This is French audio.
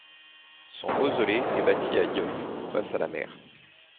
Son mausolée est bâti à Yoff, face à la mer.